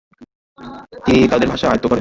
তিনি তাদের ভাষা আয়ত্ত করেন।